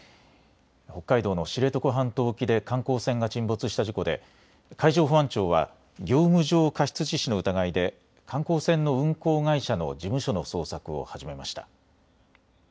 北海道の知床半島沖で観光船が沈没した事故で海上保安庁は業務上過失致死の疑いで観光船の運航会社の事務所の捜索を始めました。